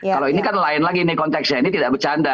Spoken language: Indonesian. kalau ini kan lain lagi nih konteksnya ini tidak bercanda